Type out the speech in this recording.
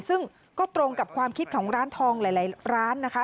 ซึ่งก็ตรงกับความคิดของร้านทองหลายร้านนะคะ